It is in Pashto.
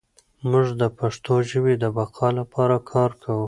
موږ د پښتو ژبې د بقا لپاره کار کوو.